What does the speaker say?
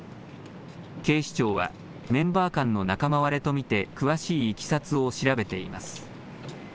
警視庁は、メンバー間の仲間割れと見て、詳しいいきさつを調べています。